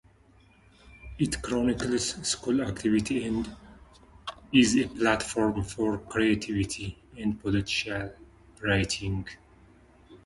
It chronicles school activities and is a platform for creative and political writing.